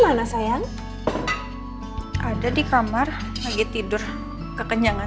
kesel mana sayang ada di kamar lagi tidur kekenyangan